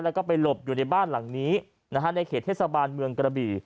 แล้วก็ไปหลบอยู่ในบ้านหลังนี้ในเขตเทศบาลเมืองกระบี่